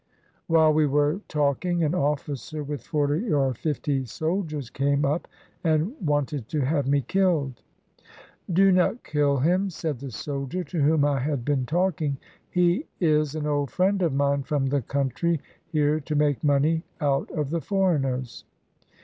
While we were talking, an officer with forty or fifty soldiers came up and wanted to have me killed. "Do not kill him," said the soldier to whom I had been talking; "he is an old friend of mine from the country, here to make money out of the foreigners."